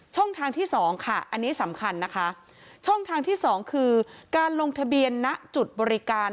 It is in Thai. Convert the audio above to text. ทางที่สองค่ะอันนี้สำคัญนะคะช่องทางที่สองคือการลงทะเบียนณจุดบริการ